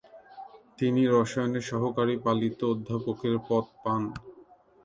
তিনি রসায়নের সহকারী পালিত অধ্যাপকের পদ পান।